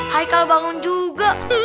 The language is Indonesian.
hai kal bangun juga